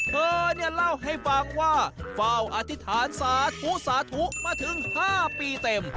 เธอเนี่ยเล่าให้ฟังว่าเฝ้าอธิษฐานสาธุสาธุมาถึง๕ปีเต็ม